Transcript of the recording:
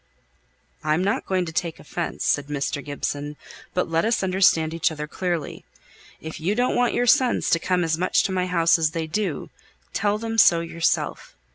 "I'm not going to take offence," said Mr. Gibson, "but let us understand each other clearly. If you don't want your sons to come as much to my house as they do, tell them so yourself.